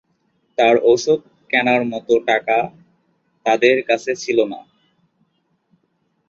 তার ওষুধ কেনার মতো টাকা তাদের কাছে ছিল না।